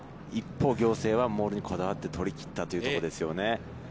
一方、仰星はモールにこだわって取り切ったというところですよね。